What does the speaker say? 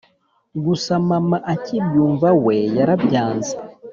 gusa mama akibyumva we yarabyanze